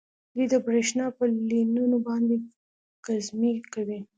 دوی د بریښنا په لینونو باندې ګزمې کوي